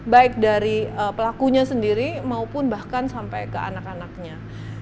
baik dari pelakunya sendiri maupun bahkan sampai ke anak anaknya